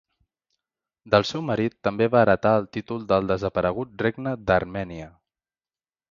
Del seu marit també va heretar el títol del desaparegut Regne d'Armènia.